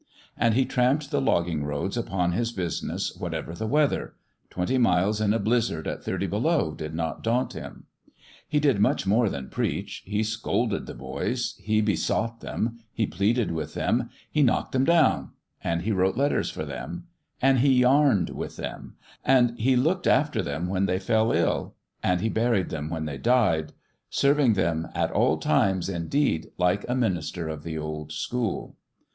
And he tramped the logging roads upon his business whatever the weather : twenty miles in a blizzard at thirty below did not daunt him. He did much more than preach : he scolded the boys, he besought them, he pleaded with them, he knocked them down and he wrote letters for them and he yarned with them and he looked after them when they fell ill and he buried them when they died serving them, at all times, indeed, like a minister of the old school.